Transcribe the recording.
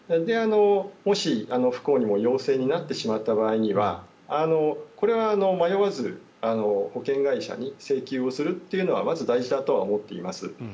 もし、不幸にも陽性になってしまった場合にはこれは迷わず保険会社に請求するというのはまず大事だとは思っています。